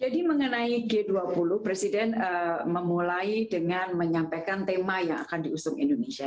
mengenai g dua puluh presiden memulai dengan menyampaikan tema yang akan diusung indonesia